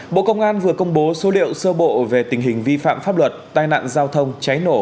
bộ công an vừa công bố số liệu sơ bộ về tình hình vi phạm pháp luật tai nạn giao thông cháy nổ